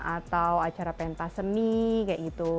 atau acara pentas seni kayak gitu